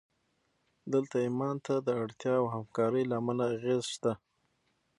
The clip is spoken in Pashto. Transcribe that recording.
دلته ایمان ته د اړتیا او همکارۍ له امله اغېز شته